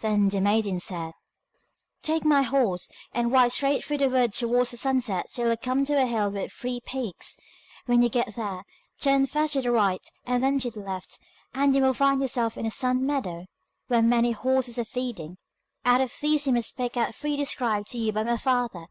Then the maiden said: 'Take my horse, and ride straight through the wood towards the sunset till you come to a hill with three peaks. When you get there, turn first to the right and then to the left, and you will find yourself in a sun meadow, where many horses are feeding. Out of these you must pick out the three described to you by my father.